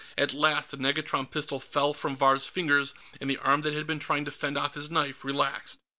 At last, the negatron pistol fell from Vahr's fingers, and the arm that had been trying to fend off his knife relaxed.